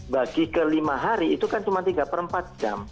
bagi ke lima hari itu kan cuma tiga per empat jam